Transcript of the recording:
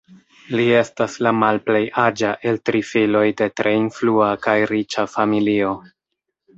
Li estas la malplej aĝa el tri filoj de tre influa kaj riĉa familio.